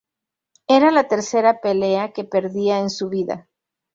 Era la tercera pelea que perdía en su vida.